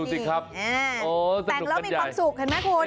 โอ้โฮสนุกกันใหญ่แต่งแล้วมีความสุขเห็นไหมคุณ